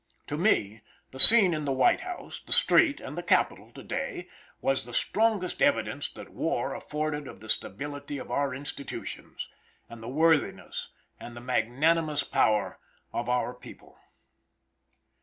To me, the scene in the White House, the street, and the capitol to day, was the strongest evidence the war afforded of the stability of our institutions, and the worthiness and magnanimous power of our people.